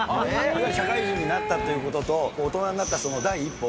社会人になったということと、大人になったその第一歩。